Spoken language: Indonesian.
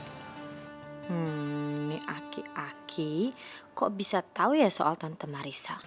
hmm nih aki aki kok bisa tau ya soal tante marissa